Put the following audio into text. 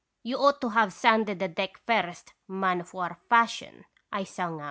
" 'You ought to have sanded the deck first, man of war fashion,' I sung out.